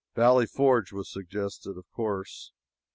Valley Forge was suggested, of course.